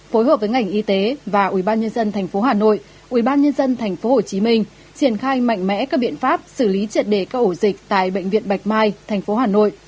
phối hợp với ngành y tế và ubnd tp hà nội ubnd tp hồ chí minh triển khai mạnh mẽ các biện pháp xử lý triệt đề các ổ dịch tại bệnh viện bạch mai tp hà nội